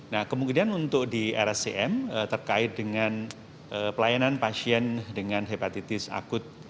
nah kemungkinan untuk di rscm terkait dengan pelayanan pasien dengan hepatitis akut